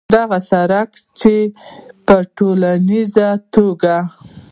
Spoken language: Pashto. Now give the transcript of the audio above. دغه سړک چې په ټولیزه توګه